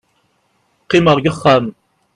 qqimeɣ deg uxxam